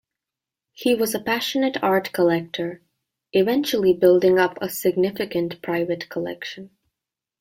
He was a passionate art collector, eventually building up a significant private collection.